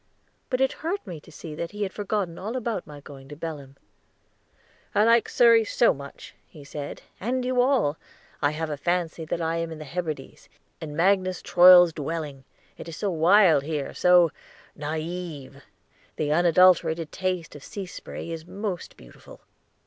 But it hurt me to see that he had forgotten all about my going to Belem. "I like Surrey so much," he said, "and you all, I have a fancy that I am in the Hebrides, in Magnus Troil's dwelling; it is so wild here, so naïve. The unadulterated taste of sea spray is most beautiful."